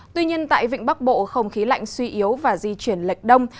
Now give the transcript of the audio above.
tuy nhiên tại vịnh bắc bộ không khí lạnh suy yếu và di chuyển lệch đông